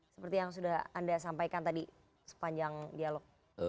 seperti yang sudah anda sampaikan tadi sepanjang dialog